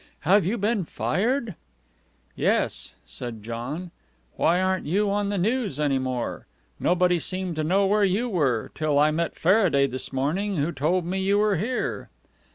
Have you been fired?" "Yes," said John. "Why aren't you on the News any more? Nobody seemed to know where you were, till I met Faraday this morning, who told me you were here."